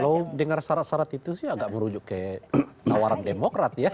kalau dengar syarat syarat itu sih agak merujuk ke tawaran demokrat ya